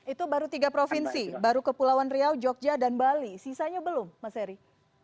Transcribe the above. itu baru tiga provinsi baru kepulauan riau jogja dan bali sisanya belum mas eri